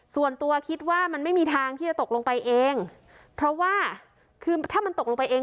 ส่วนตัวคิดว่ามันไม่มีทางที่จะตกลงไปเองเพราะว่าคือถ้ามันตกลงไปเอง